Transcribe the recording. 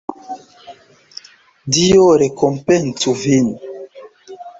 Dio rekompencu vin!